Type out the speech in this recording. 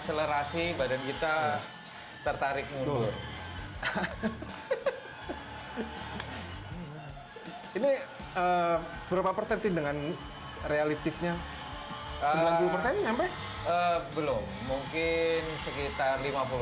ini masih badan kita tertarik ngulur ini berapa persentive dengan realitifnya belum mungkin sekitar